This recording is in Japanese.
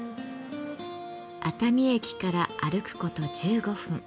熱海駅から歩くこと１５分。